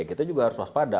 kita juga harus waspada